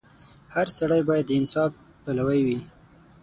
• هر سړی باید د انصاف پلوی وي.